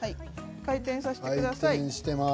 回転させてください。